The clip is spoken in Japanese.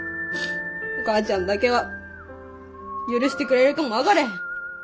お母ちゃんだけは許してくれるかも分かれへん。